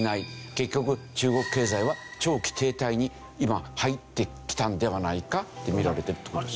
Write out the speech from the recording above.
結局中国経済は長期停滞に今入ってきたのではないかって見られてるって事です。